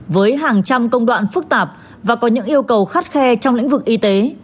với hàng trăm công đoạn phức tạp và có những yêu cầu khắt khe trong lĩnh vực y tế